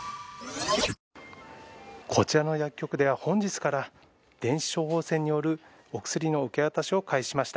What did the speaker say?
こちらの薬局では本日から、電子処方箋によるお薬の受け渡しを開始しました。